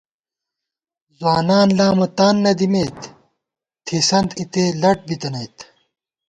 ځوانان لامہ تان نہ دِمېت، تھِسنت اِتےلٹ بِتَنَئت